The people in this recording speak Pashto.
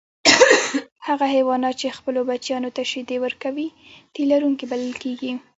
هغه حیوانات چې خپلو بچیانو ته شیدې ورکوي تی لرونکي بلل کیږي